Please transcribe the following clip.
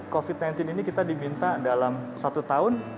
covid sembilan belas ini kita diminta dalam satu tahun